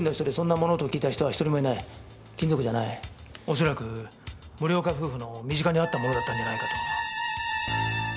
恐らく森岡夫婦の身近にあった物だったんじゃないかと。